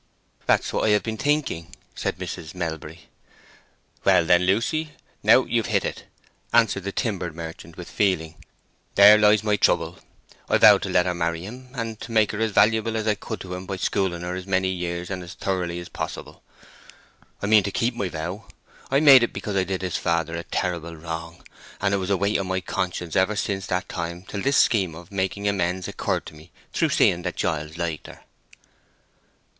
"That's what I have been thinking," said Mrs. Melbury. "Well, then, Lucy, now you've hit it," answered the timber merchant, with feeling. "There lies my trouble. I vowed to let her marry him, and to make her as valuable as I could to him by schooling her as many years and as thoroughly as possible. I mean to keep my vow. I made it because I did his father a terrible wrong; and it was a weight on my conscience ever since that time till this scheme of making amends occurred to me through seeing that Giles liked her."